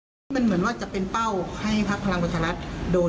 ที่ถูกดูเหมือนจะเป็นเป้าให้ภาพพลังประชารัฐโดน